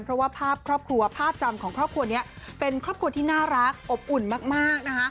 เพราะว่าภาพครอบครัวภาพจำของครอบครัวนี้เป็นครอบครัวที่น่ารักอบอุ่นมากนะคะ